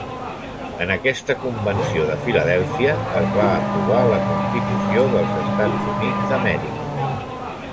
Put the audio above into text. En aquesta convenció de Filadèlfia es va aprovar la Constitució dels Estats Units d'Amèrica.